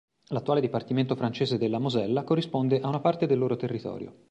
L'attuale dipartimento francese della Mosella corrisponde a una parte del loro territorio.